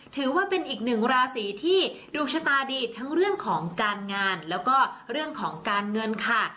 ถือว่าเป็นอีกหนึ่งราศีที่ดวงชะตาดีทั้งเรื่องของการงานแล้วก็เรื่องของการเงินค่ะ